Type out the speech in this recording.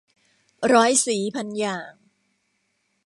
ร้อยสีพันอย่าง